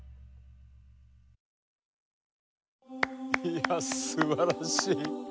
いやすばらしい。